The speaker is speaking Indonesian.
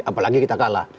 apalagi kita kalah